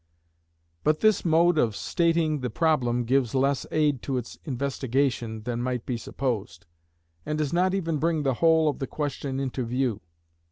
But this mode of stating the problem gives less aid to its investigation than might be supposed, and does not even bring the whole of the question into view.